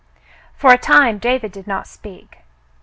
For a time David did not speak.